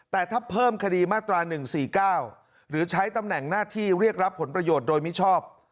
แต่ถ้าเพิ่มคดีมาตรา๑๔๙หรือใช้ตำแหน่งหน้าที่เรียกรับผลประโยชน์โดยมิชอบ